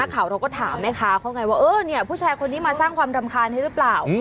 ข่าวเราก็ถามแม่ค้าเขาไงว่าเออเนี่ยผู้ชายคนนี้มาสร้างความรำคาญให้หรือเปล่า